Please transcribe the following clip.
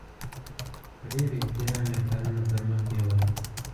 په ډېر احترام یې کارونه پرمخ بیول.